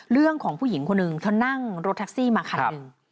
เรื่องของผู้หญิงคนหนึ่งเธอนั่งรถแท็กซี่มาคันหนึ่ง